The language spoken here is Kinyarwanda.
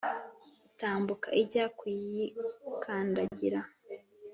itambuka ijya kuyikandagira.